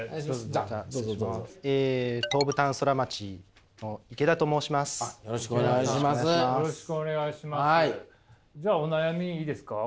じゃあお悩みいいですか？